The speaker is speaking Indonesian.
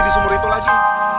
di sumur itu lagi